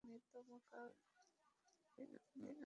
কেবল একখানি তোশক, যার অন্য কোনো আভরণ নেই, কোনো অলংকরণ নেই।